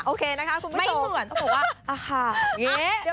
โอเคนะคะคุณผู้ชมต้องบอกว่าอาหารเยอะ